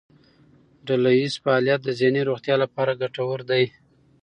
ډلهییز فعالیت د ذهني روغتیا لپاره ګټور دی.